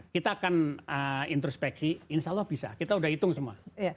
kita akan introspeksi insya allah bisa kita sudah hitung semua